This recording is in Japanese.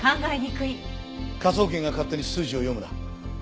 科捜研が勝手に筋を読むな。